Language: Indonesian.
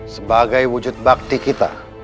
sebagai wujud bakti kita